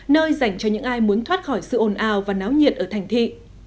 nơi dành cho những ai muốn thoát khỏi sự ồn ào và náo nhiệt ở thành thị